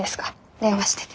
電話してて。